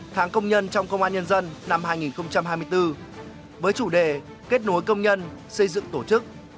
tháng công nhân trong công an nhân dân năm hai nghìn hai mươi bốn với chủ đề kết nối công nhân xây dựng tổ chức